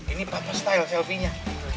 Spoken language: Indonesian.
ini papa style selfie nya